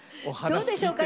どうでしょうか？